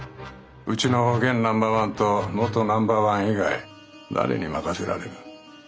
うちの現ナンバーワンと元ナンバーワン以外誰に任せられる？